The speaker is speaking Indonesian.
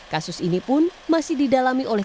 kasus ini pun masih didalaminya